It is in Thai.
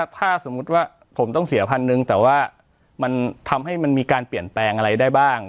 ถ้าสมมุติว่าผมต้องเสียพันหนึ่งแต่ว่ามันทำให้มันมีการเปลี่ยนแปลงอะไรได้บ้าง